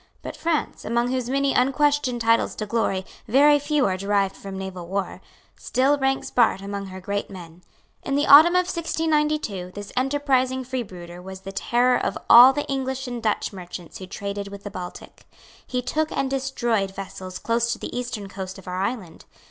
But France, among whose many unquestioned titles to glory very few are derived from naval war, still ranks Bart among her great men. In the autumn of 1692 this enterprising freebooter was the terror of all the English and Dutch merchants who traded with the Baltic. He took and destroyed vessels close to the eastern coast of our island.